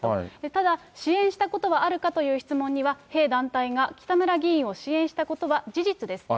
ただ支援したことはあるかという質問には、弊団体が北村議員を支援したことは事実ですと。